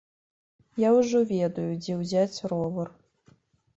Я ўжо ведаю, дзе ўзяць ровар.